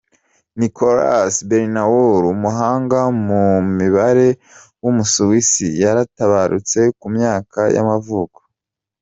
Nicolaus I Bernoulli, umuhanga mu mibare w’umusuwisi yaratabarutse, ku myaka y’amavuko.